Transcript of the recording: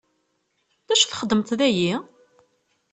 D acu i txeddmeḍ dagi?